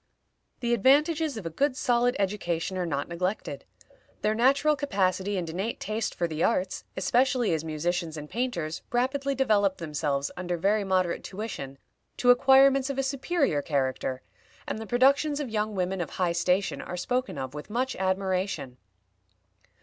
The advantages of a good solid education are not neglected; their natural capacity and innate taste for the arts, especially as musicians and painters, rapidly develop themselves, under very moderate tuition, to acquirements of a superior character, and the productions of young women of high station are spoken of with much admiration.